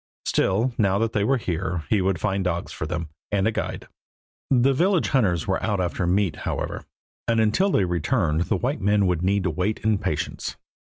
Still, now that they were here, he would find dogs for them, and a guide. The village hunters were out after meat, however, and until they returned the white men would need to wait in patience.